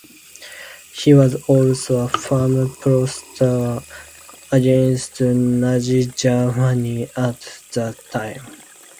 He was also a firm protestor against Nazi Germany at that time.